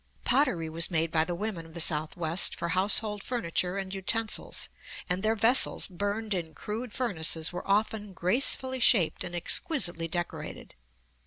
Pottery was made by the women of the Southwest for household furniture and utensils, and their vessels, burned in crude furnaces, were often gracefully shaped and exquisitely decorated.